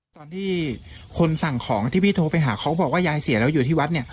ตอนที่คนสั่งของที่พี่โทรไปหาเขาบอกว่ายายเสียแล้วอยู่ที่วัดเนี่ย